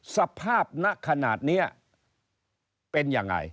สภาพณขนาดนี้เป็นยังไง